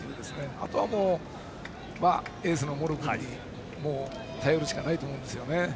あとは、エースの茂呂君に頼るしかないと思います。